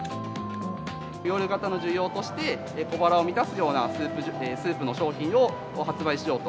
夜型の需要として、小腹を満たすようなスープの商品を発売しようと。